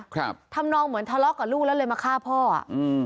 ครับทำนองเหมือนทะเลาะกับลูกแล้วเลยมาฆ่าพ่ออ่ะอืม